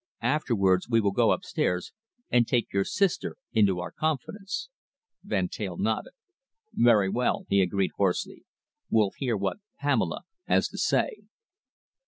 Afterwards we will go upstairs and take your sister into our confidence." Van Teyl nodded. "Very well," he agreed hoarsely. "We'll hear what Pamela has to say."